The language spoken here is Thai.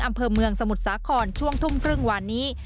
อำเภอเมืองสมุทรสาครช่วงทุ่มครึ่งวันนี้